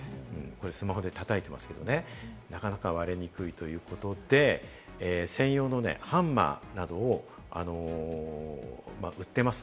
スマホで叩いてますけれどもね、なかなか割れにくいということで、専用のハンマーなどが売っています。